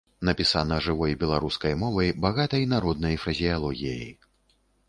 Напісана жывой беларускай мовай, багатай народнай фразеалогіяй.